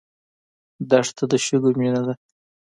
دښته د شګو مینه ده.